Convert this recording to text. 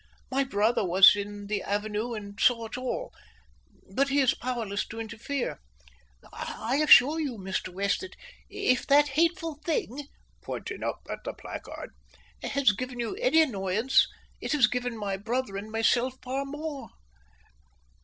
My brother was in the avenue and saw it all, but he is powerless to interfere. I assure you, Mr. West, that if that hateful thing," pointing up at the placard, "has given you any annoyance, it has given my brother and myself far more."